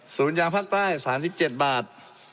ศูนย์ยางภาคใต้๓๗บาท